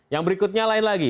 yang berikutnya lain lagi